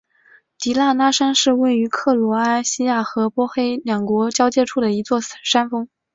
迪纳拉山是位于克罗埃西亚和波黑两国交界处的一座山峰。